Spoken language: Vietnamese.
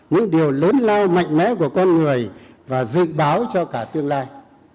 những điều lớn lao mạnh mẽ của con người và dự báo cho cả tương lai